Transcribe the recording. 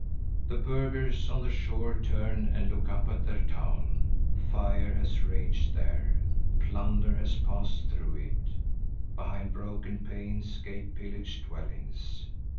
The burghers on the shore turn and look up at their town. Fire has raged there; plunder has passed through it; behind broken panes gape pillaged dwellings.